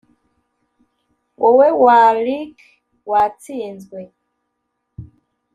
wowe wa ruck watsinzwe